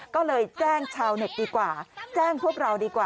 ก็เลยแจ้งชาวเน็ตดีกว่าแจ้งพวกเราดีกว่า